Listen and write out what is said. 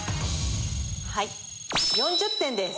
はい４０点です。